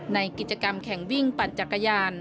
ในกิจกรรมแข่งวิ่งปั่นจักรยาน